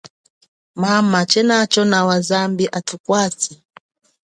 Mama, chenacho nawa, zambi athukwase.